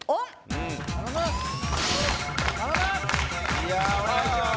いやお願いします